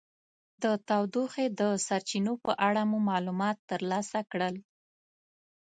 د تودوخې د سرچینو په اړه مو معلومات ترلاسه کړل.